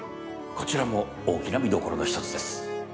こちらも大きな見どころの１つです。